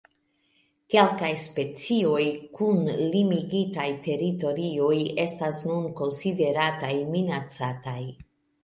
Kelkaj specioj kun limigitaj teritorioj estas nun konsiderataj minacataj.